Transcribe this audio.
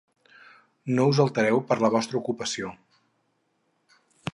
No us altereu per la vostra ocupació.